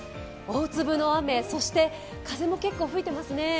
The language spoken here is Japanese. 大粒の雨、そして風も結構吹いていますね。